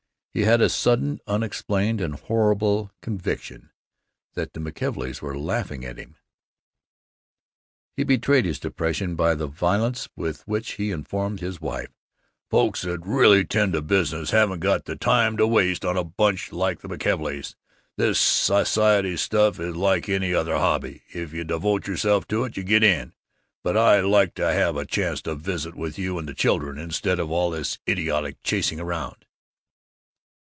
He had a sudden, unexplained, and horrible conviction that the McKelveys were laughing at him. He betrayed his depression by the violence with which he informed his wife, "Folks that really tend to business haven't got the time to waste on a bunch like the McKelveys. This society stuff is like any other hobby; if you devote yourself to it, you get on. But I like to have a chance to visit with you and the children instead of all this idiotic chasing round."